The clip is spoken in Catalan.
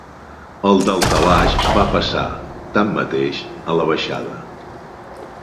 El daltabaix va passar, tanmateix, a la baixada.